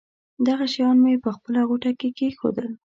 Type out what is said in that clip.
دغه شیان مې په خپله غوټه کې کېښودل.